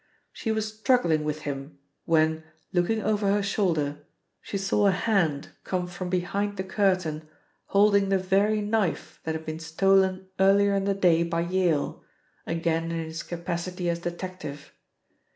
She was struggling with him, when, looking over her shoulder, she saw a hand come from behind the curtain holding the very knife that had been stolen earlier in the day by Yale (again in his capacity as detective).